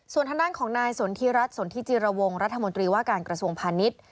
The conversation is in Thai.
ส่วนทางด้านของนายสนทิรัฐสนทิจิรวงรัฐมนตรีว่าการกระทรวงพาณิชย์